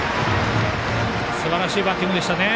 すばらしいバッティングでしたね。